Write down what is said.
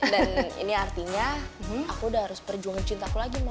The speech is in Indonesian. dan ini artinya aku udah harus berjuangin cinta aku lagi mam